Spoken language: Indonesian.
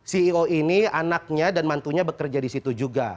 ceo ini anaknya dan mantunya bekerja di situ juga